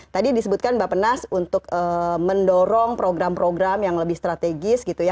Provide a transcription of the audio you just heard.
tadi disebutkan mbak penas untuk mendorong program program yang lebih strategis gitu ya